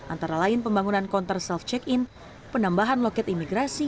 antara lain pembangunan konter self check in penambahan loket imigrasi